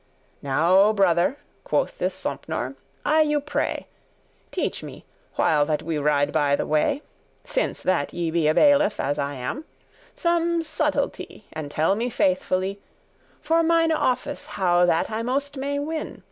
Now, brother," quoth this Sompnour, "I you pray, Teach me, while that we ride by the way, (Since that ye be a bailiff as am I,) Some subtilty, and tell me faithfully For mine office how that I most may win.